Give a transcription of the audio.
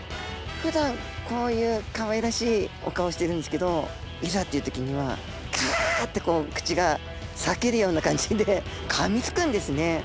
ふだんこういうかわいらしいお顔をしてるんですけどいざっていうときにはカッ！ってこう口が裂けるような感じでかみつくんですね。